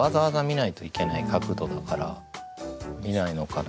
だから見ないのかなと思って。